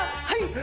はい